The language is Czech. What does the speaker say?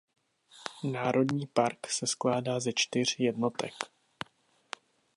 Národní park se skládá ze čtyř jednotek.